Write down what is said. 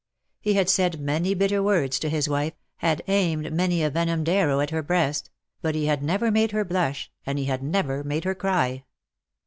He had said many bitter words to his wife — had aimed many a venomed arrow at her breast — but he had never made her blush, and he had never made her cry.